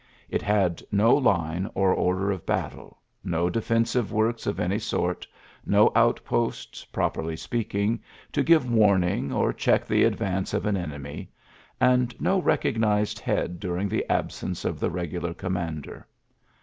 It had no line or order of battle, no defensive works of any sort, no outposts, properly speaking, to give warning or check the advance of an enemy, and no recognised head during the absence of the regular com mander.